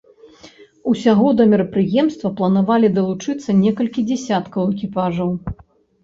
Усяго да мерапрыемства планавалі далучыцца некалькі дзясяткаў экіпажаў.